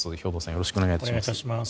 よろしくお願いします。